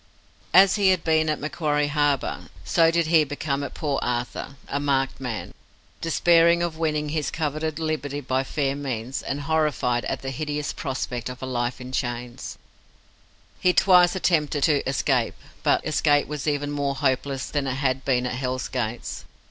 As he had been at Macquarie Harbour, so did he become at Port Arthur a marked man. Despairing of winning his coveted liberty by fair means, and horrified at the hideous prospect of a life in chains, he twice attempted to escape, but escape was even more hopeless than it had been at Hell's Gates.